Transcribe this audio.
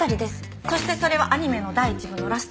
そしてそれはアニメの第一部のラスト。